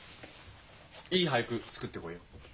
いい俳句作ってこいよ。